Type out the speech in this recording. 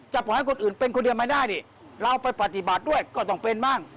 ปล่อยให้คนอื่นเป็นคนเดียวไม่ได้นี่เราไปปฏิบัติด้วยก็ต้องเป็นบ้าง